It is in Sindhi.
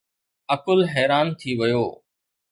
عقل حيران ٿي ويو.